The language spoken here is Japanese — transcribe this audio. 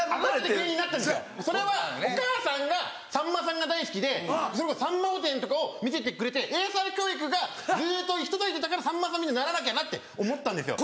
それはお母さんがさんまさんが大好きでそれこそ『さんま御殿‼』とかを見せてくれて英才教育がずっと行き届いてたからさんまさんみたいにならなきゃなって思ったんですよ。